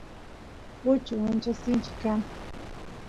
uchu ancha sinchi kan